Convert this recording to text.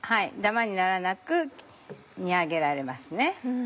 ダマにならなく煮上げられますね。